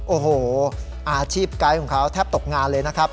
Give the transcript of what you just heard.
โอ้โหอาชีพไกด์ของเขาแทบตกงานเลยนะครับ